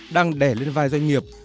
đang đẻ lên vai doanh nghiệp